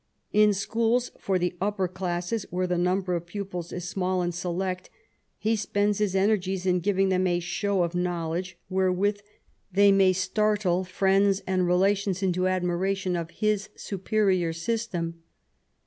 In schools for the upper classes, where the number of pupils is small and select, he spends his energies in giving them a show of knowledge wherewith they may startle Mends and relations into admiration of his superior system.